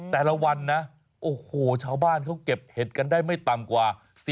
แต่ละวันนะโอ้โหชาวบ้านเขาเก็บเห็ดกันได้ไม่ต่ำกว่า